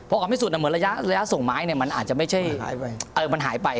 ออกไม่สุดนะเหมือนระยะส่งไม้มันหายไป